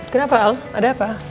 kenapa al ada apa